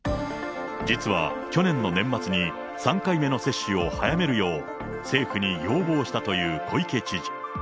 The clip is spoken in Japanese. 実は、去年の年末に３回目の接種を早めるよう政府に要望したという小池知事。